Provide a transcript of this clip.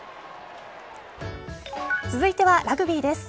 続いてはラグビーです。